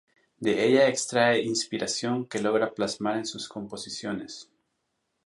De ella extrae inspiración que logra plasmar en sus composiciones.